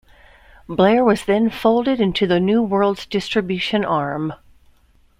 Blair was then folded into New World's distribution arm.